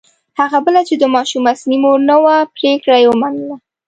هغه بله چې د ماشوم اصلي مور نه وه پرېکړه یې ومنله.